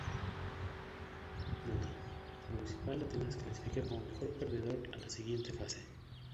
Nota: Municipal Atenas clasifica como Mejor Perdedor a la siguiente fase.